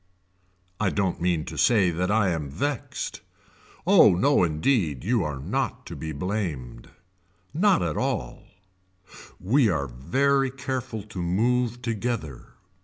I don't mean to say that I am vexed. Oh no indeed you are not to be blamed. Not at all We are very careful to move together.